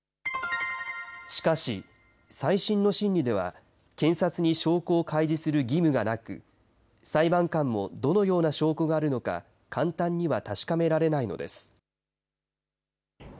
しかし、再審の審理では、検察に証拠を開示する義務がなく、裁判官もどのような証拠があるのか、簡単には確かめられないのです。